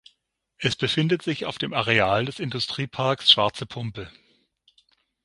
Es befindet sich auf dem Areal des Industrieparks Schwarze Pumpe.